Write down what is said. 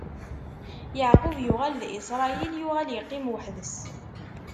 Yeɛqub yuɣal d Isṛayil, yuɣal iqqim weḥd-s.